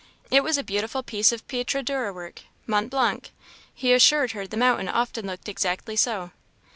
It was a beautiful piece of pietra dura work Mont Blanc. He assured her the mountain often looked exactly so.